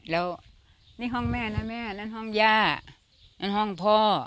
แล้วนี่ห้องแม่นะแม่นั่นห้องย่านั่นห้องพ่อ